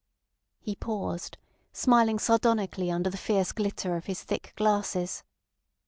He paused, smiling sardonically under the fierce glitter of his thick glasses.